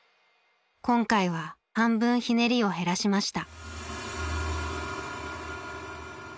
今回は半分ひねりを減らしました。